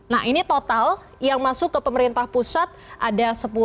nah ini total yang masuk ke pemerintah pusat ada sepuluh